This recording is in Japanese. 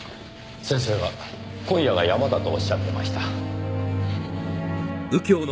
先生は今夜がヤマだとおっしゃってました。